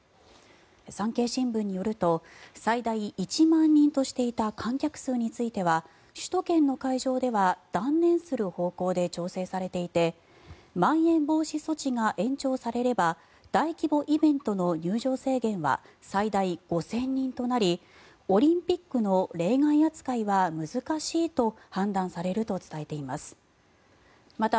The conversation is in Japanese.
産経新聞によると最大１万人としていた観客数については首都圏の会場では断念する方向で調整されていてまん延防止措置が延長されれば大規模イベントの入場制限は最大５０００人となりオリンピックの例外扱いは難しいと判断されると伝えています。